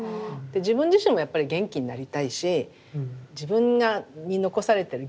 自分自身もやっぱり元気になりたいし自分に残されてる